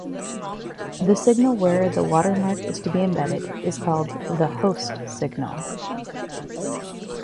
The signal where the watermark is to be embedded is called the "host" signal.